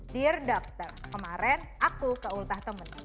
dear doctor kemarin aku keultah temen